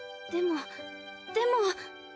でもでも。